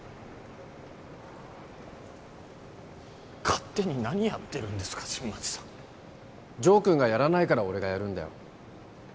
勝手に何やってるんですか新町さん城君がやらないから俺がやるんだよ